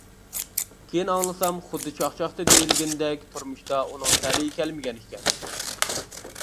كېيىن ئاڭلىسام خۇددى چاقچاقتا دېيىلگىنىدەك تۇرمۇشتا ئۇنىڭ تەلىيى كەلمىگەنىكەن.